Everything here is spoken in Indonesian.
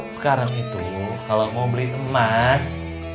sekarang itu kalau mau beliin emas